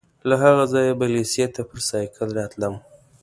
له هغه ځایه به لېسې ته پر سایکل راتلم.